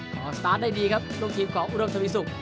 สตาร์ทได้ดีครับลูกทีมของอุดมทวีสุก